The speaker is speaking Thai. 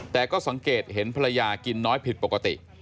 แต่ก็สังเกตเห็นภรรยากินน้อยผิดปกติ